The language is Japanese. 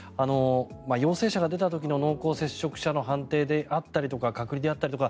陽性者が出た時の濃厚接触者の判定であったりとか隔離であったりとか